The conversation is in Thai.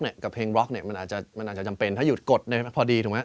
มันอาจจะจำเป็นถ้าหยุดกดพอดีถูกไหม